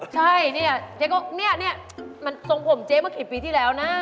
ใช่นี่เนี่ยมันตรงผมอ่ะ